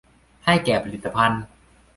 ให้แก่ผลิตภัณฑ์